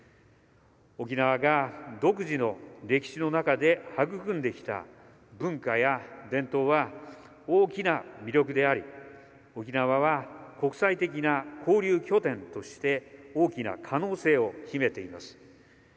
沖縄が独自の歴史の中で育んできた文化や伝統は大きな魅力であり沖縄は国際的な交流拠点として大きな可能性を秘めています。